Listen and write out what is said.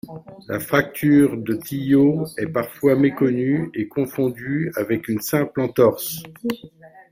La fracture de Tillaux est parfois méconnue et confondue avec une simple entorse.